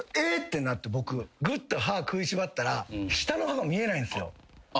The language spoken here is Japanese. ぐっと歯食いしばったら下の歯が見えないんですよ。